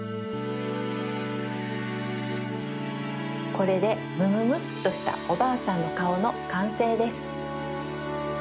これでむむむっとしたおばあさんのかおのかんせいです。